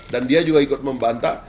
dan dia juga ikut membantu